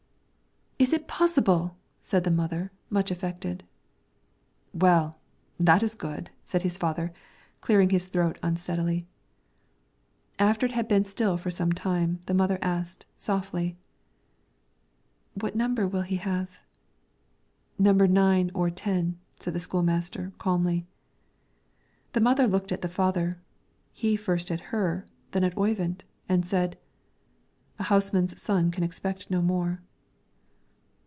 "Is it possible!" said the mother, much affected. "Well, that is good," said his father, clearing his throat unsteadily. After it had been still for some time, the mother asked, softly, "What number will he have?" "Number nine or ten," said the school master, calmly. The mother looked at the father; he first at her, then at Oyvind, and said, "A houseman's son can expect no more."